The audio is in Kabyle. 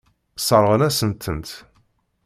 Sseṛɣen-asen-tent.